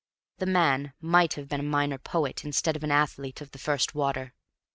The man might have been a minor poet instead of an athlete of the first water.